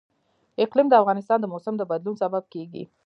اقلیم د افغانستان د موسم د بدلون سبب کېږي.